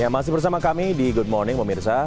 masih bersama kami di good morning om irsa